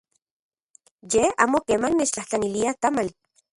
Ye amo keman nechtlajtlanilia tamali.